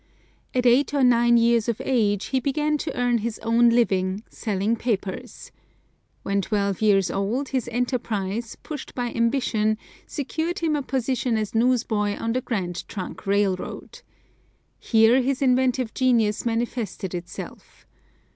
At eight or nine years of age he began to earn his own living, selling papers. When twelve years old his enterprise, pushed by ambition, secured him a position as newsboy on the Grand Trunk Railroad. Here his inventive genius manifested itself.